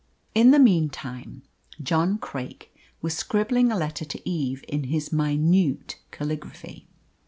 In the meantime John Craik was scribbling a letter to Eve in his minute caligraphy.